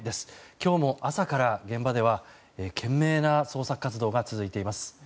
今日も朝から現場では懸命な捜索活動が続いています。